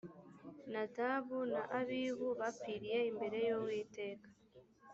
nadabu na abihu bapfiriye imbere y uwiteka